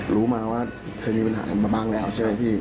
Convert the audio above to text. รู้มาว่าเคยมีปัญหากันมาบ้างแล้วใช่ไหมพี่